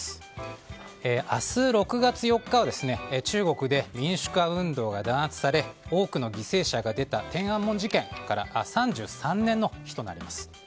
明日６月４日は中国で民主化運動が弾圧され多くの犠牲者が出た天安門事件から３３年の日となります。